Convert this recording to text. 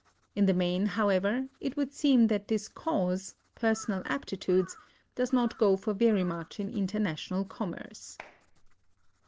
In the main, however, it would seem that this cause [personal aptitudes] does not go for very much in international commerce."